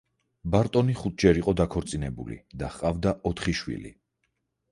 ბარტონი ხუთჯერ იყო დაქორწინებული და ჰყავდა ოთხი შვილი.